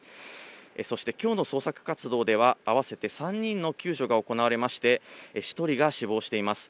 そして、きょうの捜索活動では、合わせて３人の救助が行われまして、１人が死亡しています。